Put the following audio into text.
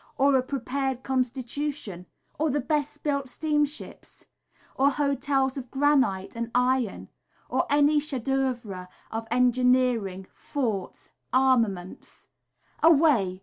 or a prepared constitution? or the best built steamships? Or hotels of granite and iron? or any chef d’œuvres of engineering, forts, armaments? Away!